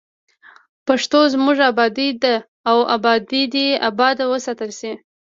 پښتو زموږ ابادي ده او ابادي دې اباد وساتل شي.